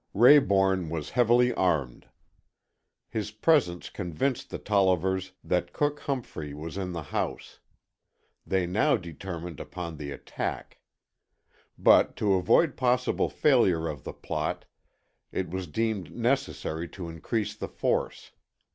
Rayborn was heavily armed. His presence convinced the Tollivers that Cook Humphrey was in the house; they now determined upon open attack. But to avoid possible failure of the plot it was deemed necessary to increase the force.